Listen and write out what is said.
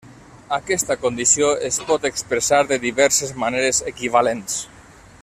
Aquesta condició es pot expressar de diverses maneres equivalents.